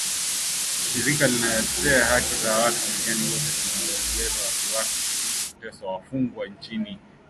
shirika inatetea haki za watu duniani kote inaelezea wasiwasi kuhusu kuteswa wafungwa nchini Uganda.